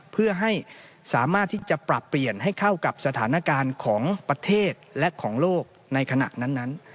เพื่อให้สามารถที่จะปรับเปลี่ยนให้เข้ากับสถานการณ์ของประเทศและของโลกในขณะนั้น